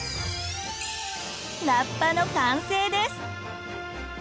ラッパの完成です。